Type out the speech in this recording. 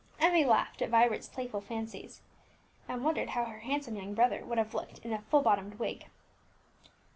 Emmie laughed at Vibert's playful fancies, and wondered how her handsome young brother would have looked in a full bottomed wig.